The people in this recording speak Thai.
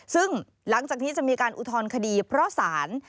ซึ่งหลังจากนี้จะมีการอุทธรณคดีเพราะศาล